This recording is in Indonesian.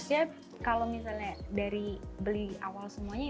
bisa lima juta sih